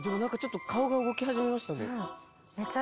ちょっと顔が動き始めましたね。